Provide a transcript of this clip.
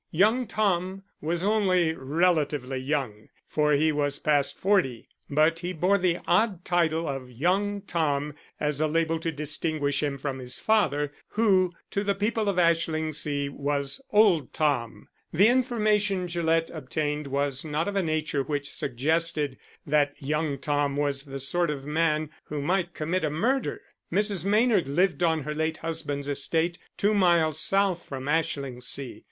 Young Tom was only relatively young, for he was past forty, but he bore the odd title of Young Tom as a label to distinguish him from his father, who to the people of Ashlingsea was old Tom. The information Gillett obtained was not of a nature which suggested that young Tom was the sort of man who might commit a murder. Mrs. Maynard lived on her late husband's estate two miles south from Ashlingsea.